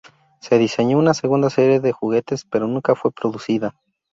Se diseñó una segunda serie de juguetes, pero nunca fue producida.